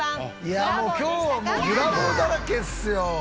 いや今日はもうブラボーだらけですよ。